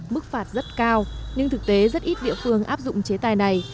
mức phạt rất cao nhưng thực tế rất ít địa phương áp dụng chế tài này